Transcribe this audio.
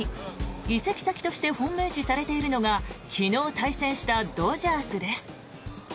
移籍先として本命視されているのが昨日対戦したドジャースです。